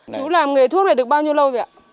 chú làm nghề thuốc này được bao nhiêu lâu vậy ạ